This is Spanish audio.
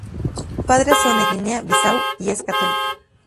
Sus padres son de Guinea-Bissau y es católico.